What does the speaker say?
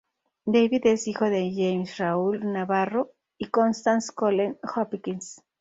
Dave es hijo de James Raul Navarro y Constance Colleen Hopkins.